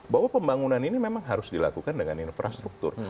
bahwa pembangunan ini memang harus dilakukan dengan infrastruktur